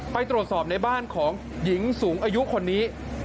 ไปตรวจสอบในบ้านของหญิงสูงอายุคนนี้